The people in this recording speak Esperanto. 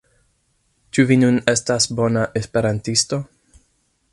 Ĉu vi nun estas bona Esperantisto?